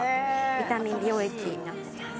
ビタミン美容液になってます